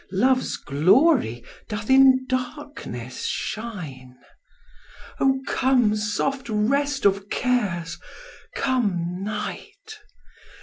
Love's glory doth in darkness shine. O, come, soft rest of cares! come, Night!